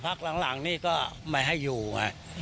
พักหลังนี่ก็ไม่ให้อยู่ไง